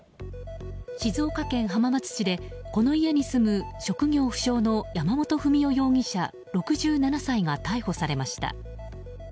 静岡県浜松市でこの家に住む職業不詳の山本文雄容疑者、６７歳が逮捕されました。